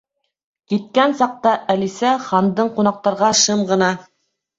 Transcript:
Киткән саҡта Әлисә Хандың ҡунаҡтарға шым ғына: